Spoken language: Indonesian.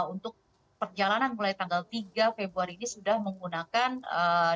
untuk perjalanan mulai tanggal tiga februari ini sudah menggunakan kereta cepat bus